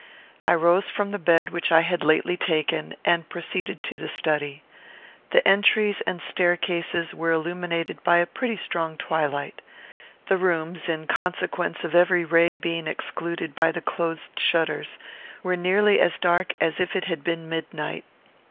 I rose from the bed which I had lately taken, and proceeded to the study. The entries and staircases were illuminated by a pretty strong twilight. The rooms, in consequence of every ray being excluded by the closed shutters, were nearly as dark as if it had been midnight.